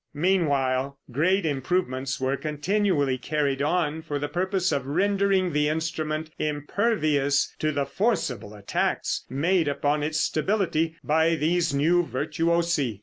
Meanwhile, great improvements were continually carried on for the purpose of rendering the instrument impervious to the forcible attacks made upon its stability by these new virtuosi.